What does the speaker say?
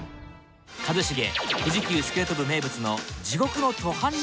一茂富士急スケート部名物の地獄の登坂にチャレンジ！